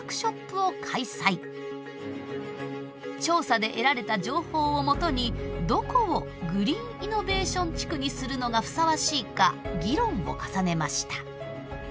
調査で得られた情報をもとにどこをグリーンイノベーション地区にするのがふさわしいか議論を重ねました。